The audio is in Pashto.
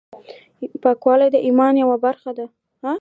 پاکوالی د ایمان یوه برخه ده۔